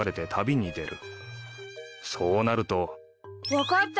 分かった！